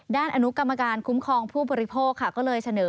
อนุกรรมการคุ้มครองผู้บริโภคค่ะก็เลยเสนอ